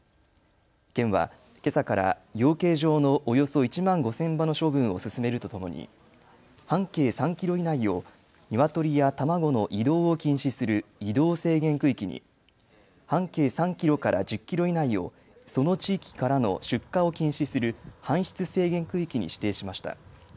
県はけさから養鶏場のおよそ１万５０００羽の処分を進めるとともに半径３キロ以内をニワトリや卵の移動を禁止する移動制限区域に、半径３キロから１０キロ以内をその地域からの出荷を禁止する搬出制限区域に指定しました。